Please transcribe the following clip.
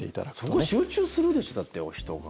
そこ集中するでしょだって、人が。